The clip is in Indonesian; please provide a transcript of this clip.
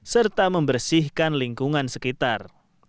serta membersihkan lingkungan sekitar